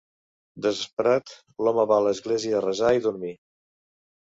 Desesperat, l'home va a l'església a resar i dormir.